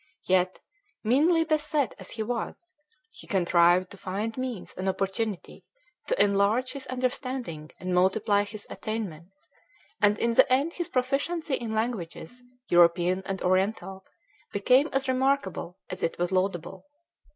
Yet, meanly beset as he was, he contrived to find means and opportunity to enlarge his understanding and multiply his attainments; and in the end his proficiency in languages, European and Oriental, became as remarkable as it was laudable.